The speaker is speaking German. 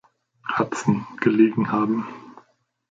Hudson, gelegen haben.